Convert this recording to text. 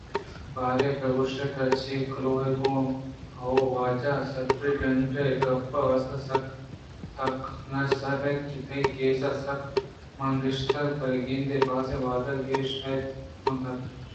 باریں بہ گوٛش ترا چے کلوہےگوں؟ ہئو! واجہ سپرنٹنڈنٹ اے گپ ءِ واستہ سک تکانسراِنت کہ تئی کیس سک مانگیشّیتگ ءُبہ گندے باز وہدءَ گیشّ اِت مہ کنت